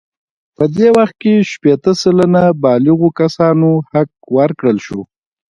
په دې وخت کې شپیته سلنه بالغو کسانو حق ورکړل شو.